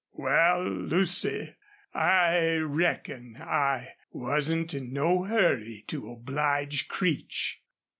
... Wal, Lucy, I reckon I wasn't in no hurry to oblige Creech.